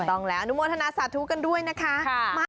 ต้องแล้วอนุโมทนาสาธุกันด้วยนะคะ